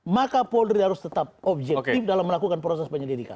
maka polri harus tetap objektif dalam melakukan proses penyelidikan